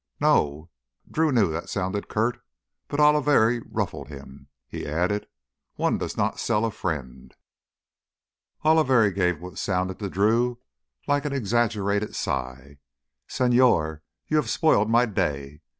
"No." Drew knew that sounded curt, but Oliveri ruffled him. He added, "One does not sell a friend." Oliveri gave what sounded to Drew like an exaggerated sigh. "Señor, you have spoiled my day.